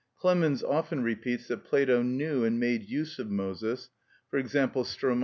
Clemens often repeats that Plato knew and made use of Moses, e.g., _Strom.